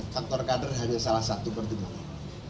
faktor kader hanya salah satu pertimbangan